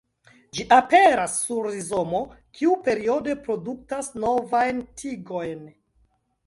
Ĝi aperas sur rizomo, kiu periode produktas novajn tigojn.